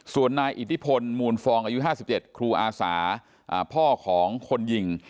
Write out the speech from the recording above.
ส่วนนายอิทธิพลมูลฟองอายุ๕๗ครูอาสาพ่อของคนยิง